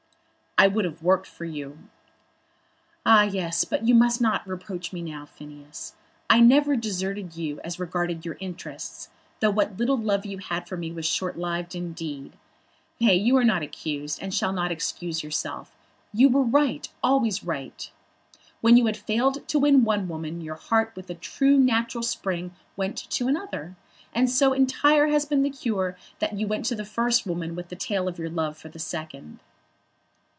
"I would have worked for you." "Ah, yes; but you must not reproach me now, Phineas. I never deserted you as regarded your interests, though what little love you had for me was short lived indeed. Nay; you are not accused, and shall not excuse yourself. You were right, always right. When you had failed to win one woman your heart with a true natural spring went to another. And so entire had been the cure, that you went to the first woman with the tale of your love for the second."